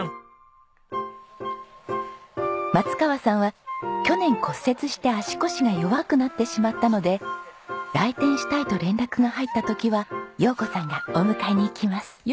松川さんは去年骨折して足腰が弱くなってしまったので来店したいと連絡が入った時は洋子さんがお迎えに行きます。